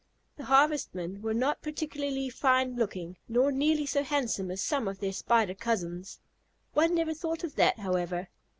The Harvestmen were not particularly fine looking, not nearly so handsome as some of their Spider cousins. One never thought of that, however.